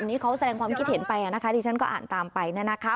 นี่เขาแสดงความคิดเห็นไปนะคะที่ฉันก็อ่านตามไป